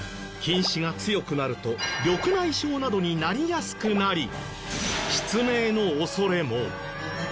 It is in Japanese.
近視が強くなると緑内障などになりやすくなり失明の恐れも。